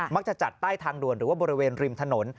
จัดใต้ทางด่วนหรือว่าบริเวณริมถนน